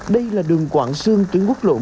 đây là đường quảng sương tuyến quốc lộ một mươi năm